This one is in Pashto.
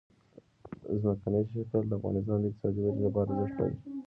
ځمکنی شکل د افغانستان د اقتصادي ودې لپاره ارزښت لري.